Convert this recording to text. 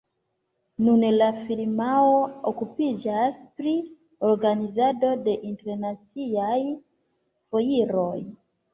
Nun la firmao okupiĝas pri organizado de internaciaj foiroj.